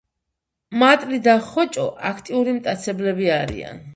მატლი და ხოჭო აქტიური მტაცებლები არიან.